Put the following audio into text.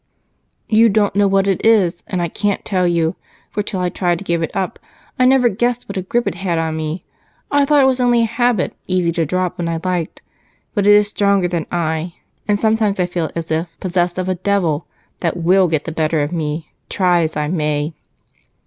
"You don't know what it is, and I can't tell you, for till I tried to give it up I never guessed what a grip it had on me. I thought it was only a habit, easy to drop when I liked, but it is stronger than I, and sometimes I feel as if possessed of a devil that will get the better of me, try as I may."